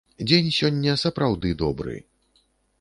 Дзень сёння сапраўды добры.